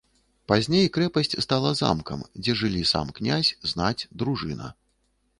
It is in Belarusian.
Пазней крэпасць стала замкам, дзе жылі сам князь, знаць, дружына.